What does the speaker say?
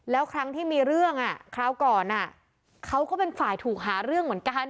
แล้วครั้งที่มีเรื่องคราวก่อนเขาก็เป็นฝ่ายถูกหาเรื่องเหมือนกัน